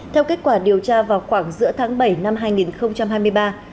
theo kết quả điều tra vào khoảng giữa tháng bảy năm hai nghìn hai mươi ba